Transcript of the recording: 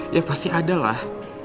ya pasti ada lah